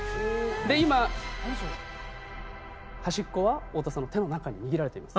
で今端っこは太田さんの手の中に握られています。